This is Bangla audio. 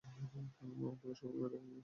ও আমাদের সবাইকে মেরে ফেলবে।